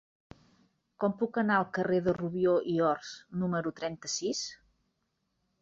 Com puc anar al carrer de Rubió i Ors número trenta-sis?